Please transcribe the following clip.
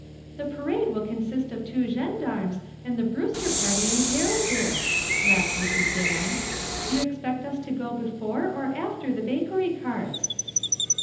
"The parade will consist of two gendarmes and the Brewster party in carriages," laughed Mrs. Dan. "Do you expect us to go before or after the bakery carts?"